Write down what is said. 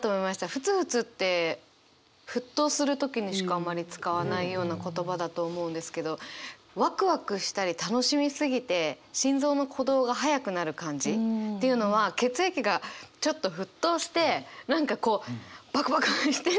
「ふつふつ」って沸騰する時にしかあんまり使わないような言葉だと思うんですけどワクワクしたり楽しみすぎて心臓の鼓動が速くなる感じっていうのはこれを見た時にちょっと思いました。